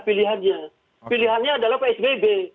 pilihannya pilihannya adalah psbb